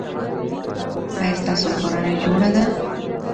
ایا ستاسو کورنۍ جوړه ده؟